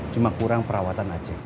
cuma kurang perawatan aja